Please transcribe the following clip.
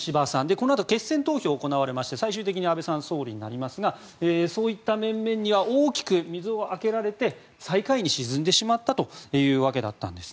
このあと決選投票が行われまして最終的に安倍さんが総理になりますがそういった面々には大きく水をあけられて最下位に沈んでしまったというわけなんです。